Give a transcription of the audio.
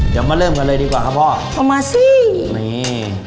เดี๋ยวมาเริ่มกันเลยดีกว่าครับพ่อเอามาสินี่